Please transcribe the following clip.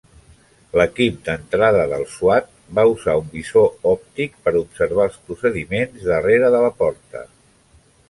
L'equip d'entrada del S.W.A.T. va usar un visor òptic per observar els procediments darrere de la porta.